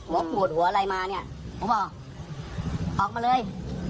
ปวดหัวอะไรมาเนี่ยผมบอกออกมาเลย